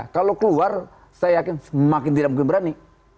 kalau keluar saya yakin semakin tidak mungkin berani